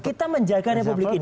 kita menjaga republik ini